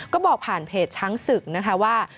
ก็บอกผ่านเพจช้างศึกนะคะว่า